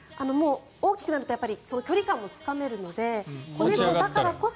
大きくなると距離感もつかめるので子猫だからこそ。